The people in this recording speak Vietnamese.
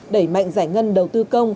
đẩy mạnh giải ngân đầu tư công